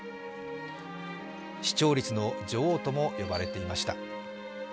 視聴率の女王とも呼ばれていました。